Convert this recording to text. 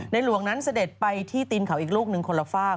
หลวงนั้นเสด็จไปที่ตีนเขาอีกลูกหนึ่งคนละฝาก